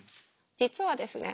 実はですね